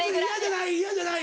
嫌じゃない？